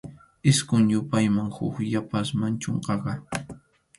Isqun yupayman huk yapasqam chunkaqa.